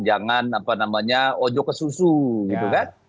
jangan ojo ke susu gitu kan